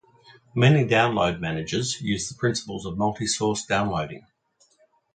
Many download managers use the principles of multi-source downloading.